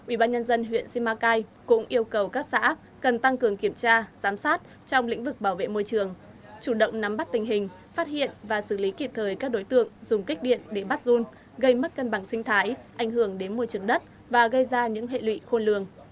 ubnd huyện simacai cũng yêu cầu các xã cần tăng cường kiểm tra giám sát trong lĩnh vực bảo vệ môi trường chủ động nắm bắt tình hình phát hiện và xử lý kịp thời các đối tượng dùng kích điện để bắt run gây mất cân bằng sinh thái ảnh hưởng đến môi trường đất và gây ra những hệ lụy khôn lường